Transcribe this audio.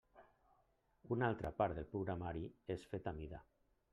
Una altra part del programari és fet a mida.